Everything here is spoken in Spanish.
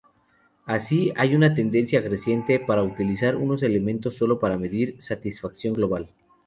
Así, hay una tendencia creciente para utilizar unos elementos solo para medir satisfacción global.